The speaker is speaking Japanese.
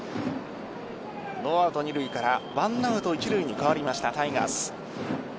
ノーアウト二塁から１アウト一塁に変わりましたタイガース。